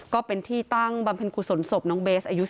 ก็เป็นที่ตั้งบำเพ็ญกุศลศพน้องเบสอายุ๑